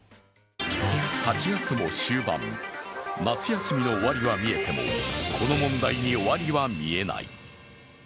８月も終盤、夏休みの終わりは見えてもこの問題に終わりは見えない。